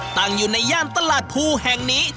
ตั้งอยู่ในย่านตลาดภูแห่งนี้